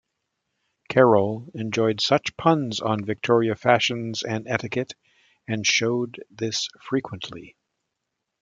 Carroll enjoyed such puns on Victorian fashions and etiquette, and showed this frequently.